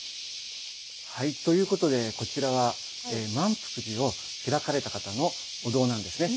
はいということでこちらは萬福寺を開かれた方のお堂なんですね。